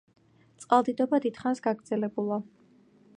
წყალდიდობა დიდხანს გაგრძელებულა.